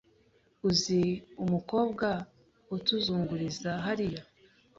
Uzi umukobwa utuzunguriza hariya?